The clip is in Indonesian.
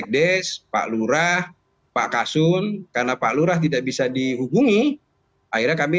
des pak lurah pak kasun karena pak lurah tidak bisa dihubungi akhirnya kami